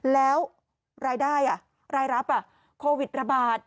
แล้วรายได้รายรับโควิดระบาด